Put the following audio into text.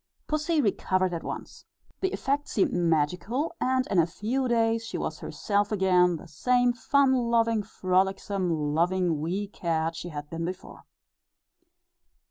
Pussy recovered at once; the effect seemed magical; and in a few days she was herself again, the same fun loving, frolicsome, loving wee cat she had been before.